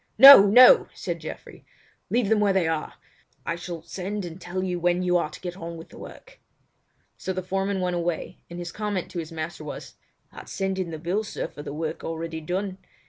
"No! No!" said Geoffrey, "leave them where they are. I shall send and tell you when you are to get on with the work." So the foreman went away, and his comment to his master was: "I'd send in the bill, sir, for the work already done.